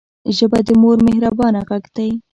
ژبه د مور مهربانه غږ دی